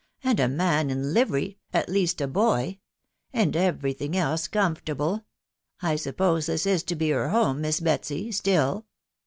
. and a man in livery, at least* boy, and every thing else* conformable. .•. I suppose this is to be her home, Miss Betsy, still